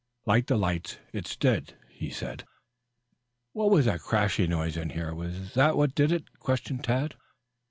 "Like the lights, it's dead," he said. "What was that crashing noise in here? Was that what did it?" questioned Tad.